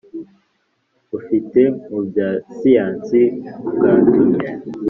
Ufite mu bya siyansi bwatumye